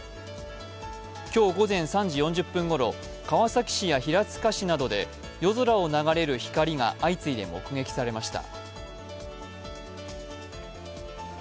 今日午前３時４０分頃、川崎市や平塚市などで夜空を流れる光が相次いで目撃されました。